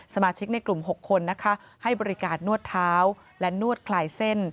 สมาชิกในกลุ่ม๖คนนะคะให้บริการนวดเท้าและนวดคลายเส้น